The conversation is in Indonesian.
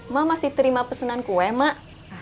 mau masih terima pesenan gue emak